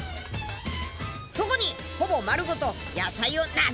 そこにほぼ丸ごと野菜を投げ込む！